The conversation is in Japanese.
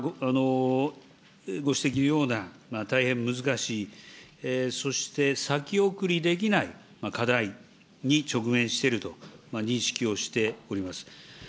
ご指摘のような大変難しい、そして先送りできない課題に直面していると認識をしております。